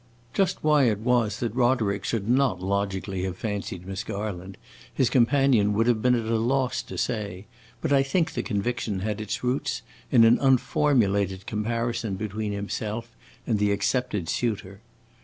Just why it was that Roderick should not logically have fancied Miss Garland, his companion would have been at loss to say, but I think the conviction had its roots in an unformulated comparison between himself and the accepted suitor.